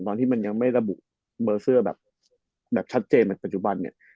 ตอนที่มันยังไม่ระบุเบอร์เสื้อแบบชัดเจนในปัจจุบันเนี่ย